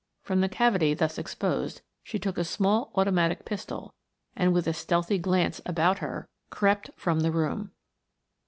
From the cavity thus exposed she took a small automatic pistol, and with a stealthy glance about her, crept from the room.